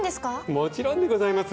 もちろんでございます！